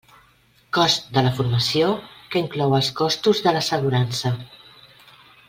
Cost de la formació que inclou els costos de l'assegurança.